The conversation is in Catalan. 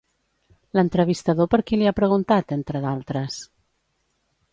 L'entrevistador per qui li ha preguntat, entre d'altres?